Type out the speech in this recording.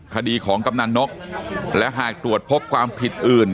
คดีของกำนันนกและหากตรวจพบความผิดอื่น